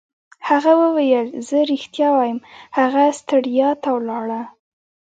هغه وویل: زه ریښتیا وایم، هغه سټریسا ته ولاړه.